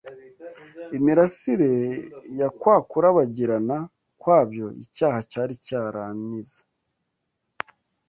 imirasire ya kwa kurabagirana kwabyo icyaha cyari cyaranize